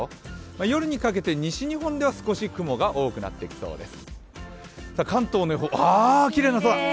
夜にかけて西日本では少し雲が多くなってきそうです。